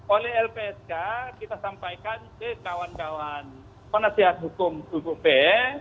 oleh lpsk kita sampaikan ke kawan kawan penasihat hukum buku p